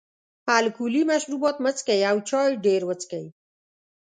الکولي مشروبات مه څښئ او چای ډېر وڅښئ.